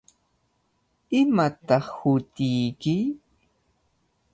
¿Imataq hutiyki?